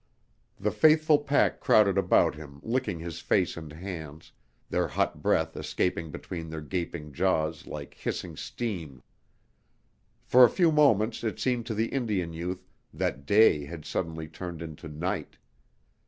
The faithful pack crowded about him licking his face and hands, their hot breath escaping between their gaping jaws like hissing steam For a few moments it seemed to the Indian youth that day had suddenly turned into night.